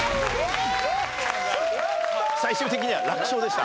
最終的には楽勝でした。